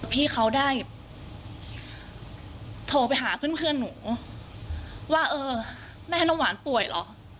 พี่เขาได้โทรไปหาเพื่อนหนูว่าเออแม่น้ำหวานป่วยเหรอ